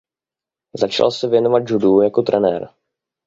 Začal se věnovat judu jako trenér.